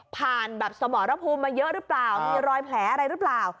แบบสมรภูมิมาเยอะหรือเปล่ามีรอยแผลอะไรหรือเปล่า